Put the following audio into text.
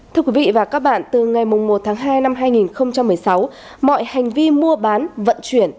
thưa quý vị và các bạn từ ngày một tháng hai năm hai nghìn một mươi sáu mọi hành vi mua bán vận chuyển